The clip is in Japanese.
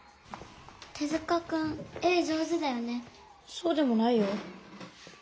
そうでもないよ。